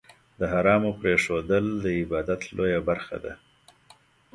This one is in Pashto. د حرامو پرېښودل، د عبادت لویه برخه ده.